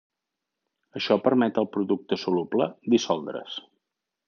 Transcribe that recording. Això permet al producte soluble dissoldre's.